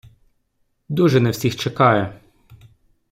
Дуже на всіх чекаю!